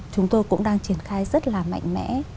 chúng tôi cũng đang triển khai rất là mạnh mẽ